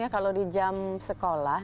kalau di jam sekolah